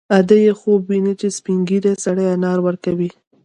ادې یې خوب ویني چې سپین ږیری سړی انار ورکوي